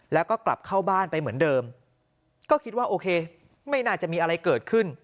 แล้วก็กลับเข้าบ้านไปเหมือนเดิมก็คิดว่าโอเคไม่น่าจะมีอะไรเกิดขึ้น